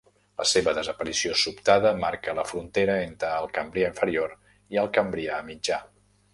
La seva desaparició sobtada marca la frontera entre el Cambrià Inferior i el Cambrià Mitjà.